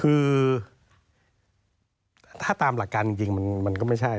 คือถ้าตามหลักการจริงมันก็ไม่ใช่